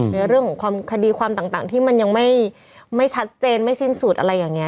ในเรื่องของคดีความต่างที่มันยังไม่ชัดเจนไม่สิ้นสุดอะไรอย่างนี้